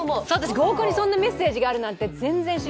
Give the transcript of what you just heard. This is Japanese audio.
合コンにそんなメッセージがあるなんて。